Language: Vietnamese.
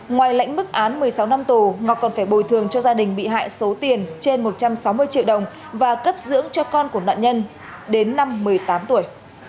ngoài lãnh mức án một mươi sáu năm tù ngọc còn phải bồi thường cho gia đình bị hại số tiền trên một trăm sáu mươi triệu đồng và cấp dưỡng cho con của nạn nhân đến năm một mươi tám tuổi